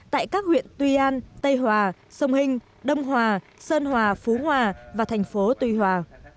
tại các huyện tuy an tây hòa sông hinh đông hòa sơn hòa phú hòa và thành phố tuy hòa